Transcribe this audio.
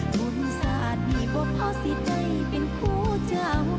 ขุนสาดให้พ่อพ่อสีใดเป็นผู้เจ้า